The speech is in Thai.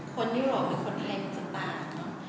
ยุโรปหรือคนไทยมันจะต่าง